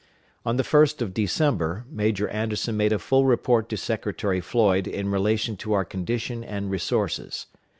On the 1st of December, Major Anderson made a full report to Secretary Floyd in relation to our condition and resources.